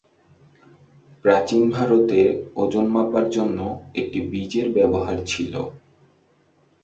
প্রাচীন ভারতে ওজন মাপার জন্যে এর বীজের ব্যবহার ছিল।